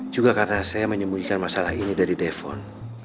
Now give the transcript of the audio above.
juga karena saya menyembunyikan masalah ini dari depon